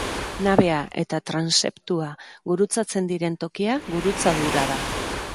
Nabea eta transeptua gurutzatzen diren tokia gurutzadura da.